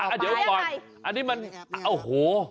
อันนี้มันอันนี้มันโอ้โห